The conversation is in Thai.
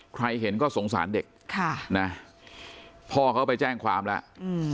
ใครเห็นก็สงสารเด็กค่ะนะพ่อเขาไปแจ้งความแล้วอืม